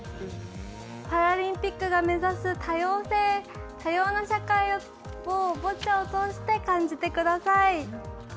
パラリンピックが目指す多様な社会をボッチャを通して感じてください。